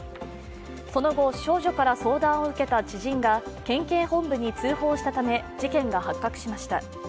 その後、少女から相談を受けた知人が県警本部に通報したため、事件が発覚しました。